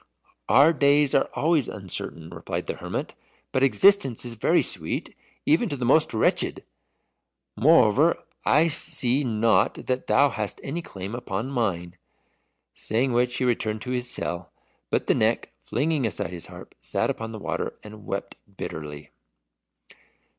"Our days are always uncertain," replied the hermit; "but existence is very sweet, even to the most wretched. Moreover, I see not that thou hast any claim upon mine." Saying which he returned to his cell, but the Neck, flinging aside his harp, sat upon the water, and wept bitterly.